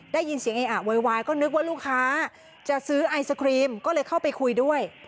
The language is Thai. ได้ยินเสียงเออะโวยวายก็นึกว่าลูกค้าจะซื้อไอศครีมก็เลยเข้าไปคุยด้วย